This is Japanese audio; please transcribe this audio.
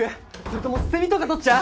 それともセミとか取っちゃう？